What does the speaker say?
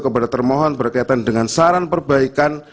kepada termohon berkaitan dengan saran perbaikan